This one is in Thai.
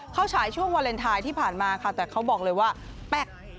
ฉายช่วงวาเลนไทยที่ผ่านมาค่ะแต่เขาบอกเลยว่าแป๊ก